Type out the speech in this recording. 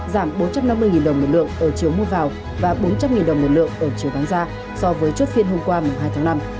giảm bốn trăm năm mươi đồng một lượng ở chiều mua vào và bốn trăm linh đồng một lượng ở chiều bán ra so với chốt phiên hôm qua hai tháng năm